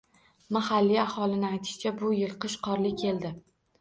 Mahalliy aholining aytishicha, bu yil qish qorli keldi